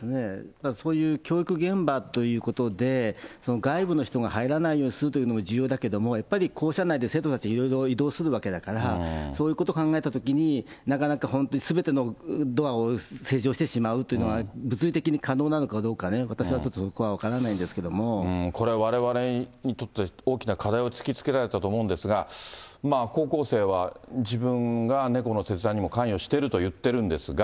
そういう教育現場ということで、外部の人が入らないようにするというのも重要だけれども、やっぱり校舎内で生徒たちがいろいろ移動するわけだから、そういうことを考えたときに、なかなか本当にすべてのドアを施錠してしまうというのは、物理的に可能なのかどうかね、私はちょっとそこは分からないんでこれ、われわれにとって大きな課題を突きつけられたと思うんですけれども、高校生は自分が猫の切断にも関与していると言ってるんですが。